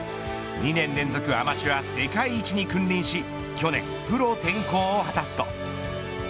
２年連続アマチュア世界一に君臨し去年、プロ転向を果たすと。